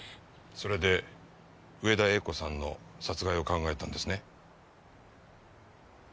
それで植田栄子さんの殺害を考えたんですね？